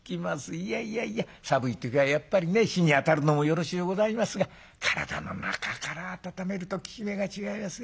いやいやいや寒い時はやっぱりね火にあたるのもよろしゅうございますが体の中から温めると効き目が違いますね。